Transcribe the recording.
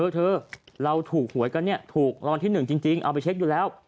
เธอเราถูกหวยกันเนี่ยถูกรางวัลที่๑จริงเอาไปเช็คอยู่แล้ว